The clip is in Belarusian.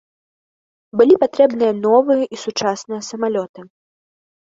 Былі патрэбныя новыя і сучасныя самалёты.